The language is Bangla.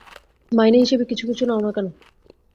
মাইনে হিসেবে কিছু কিছু নাও না কেন?